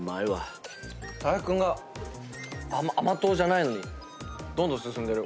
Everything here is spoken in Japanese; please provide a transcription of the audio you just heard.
木君が甘党じゃないのにどんどん進んでる。